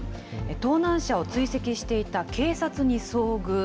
盗難車を追跡していた警察に遭遇。